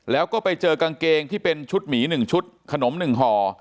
แล้วก็ไปเจอกางเกงที่เป็นชุดหมี๑ชุดขนม๑ห่อ